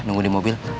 nunggu di mobil